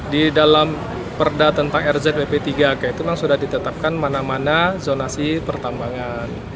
di dalam perda tentang rzp tiga k itu memang sudah ditetapkan mana mana zonasi pertambangan